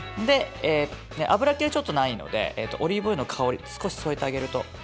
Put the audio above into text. で油系ちょっとないのでオリーブオイルの香り少し添えてあげると。